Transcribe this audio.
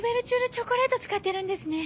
チョコレート使ってるんですね。